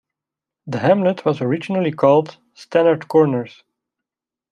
The hamlet was originally called Stannards Corners.